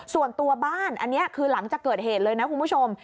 ส่วนตัวบ้านอันนี้คือหลังจากเกิดเหตุเลยนะคุณผู้ชม